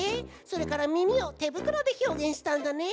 それからみみをてぶくろでひょうげんしたんだね。